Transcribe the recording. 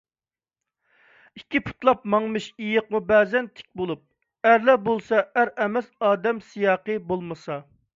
ئىككى پۇتلاپ ماڭىمىش ئىيىقمۇ بەزەن تىك بولۇپ، ئەرلا بولسا ئەر ئەمەس، ئادەم سىياقى بولمىسا.